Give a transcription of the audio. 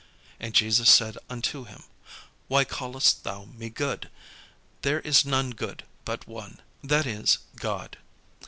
And Jesus said unto him, "Why callest thou me good? There is none good but one, that is, God.